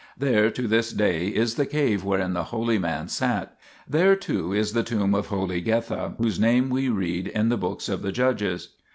3 There, to this day, is the cave wherein the holy man sat ; there too is the tomb of holy Getha, 4 whose name we read in the books of the Judges.